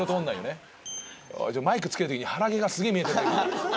マイク着けるときに腹毛がすげえ見えてんだ今。